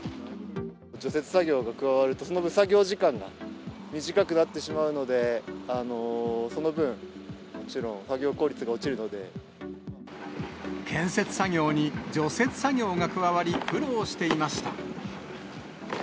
除雪作業が加わると、その分、作業時間が短くなってしまうので、その分、もちろん作業効率が落ち建設作業に除雪作業が加わり、苦労していました。